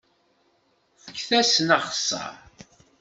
Fket-asen axeṣṣar!